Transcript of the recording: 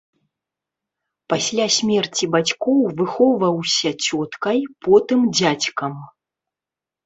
Пасля смерці бацькоў выхоўваўся цёткай, потым дзядзькам.